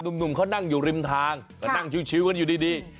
หนุ่มเขานั่งอยู่ริมทางก็นั่งชิวกันอยู่ดี